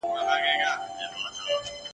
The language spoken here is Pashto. تر ماپښینه وو آس څوځایه ویشتلی !.